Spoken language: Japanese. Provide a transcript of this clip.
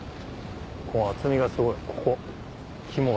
厚みがすごいここ肝が。